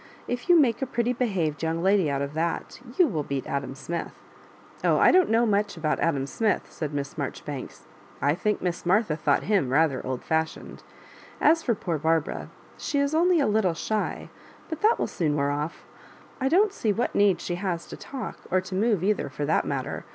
If you make a pretty behaved young lady out of that, you will beat Adam Smith." " Oh, I don't know much about Adam Smith, said Miss Marjoribanks. " I think Miss Martha thought him rather old fashioned. As lor poor Barbara, she is only a little shy, but that will soon wear off. I don't see what need she has to talk — or to move either, for that matter.